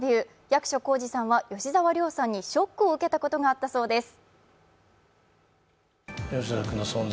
役所広司さんは吉沢亮さんにショックを受けたことがあったそうです。